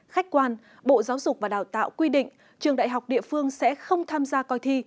khách quan bộ giáo dục và đào tạo quy định trường đại học địa phương sẽ không tham gia coi thi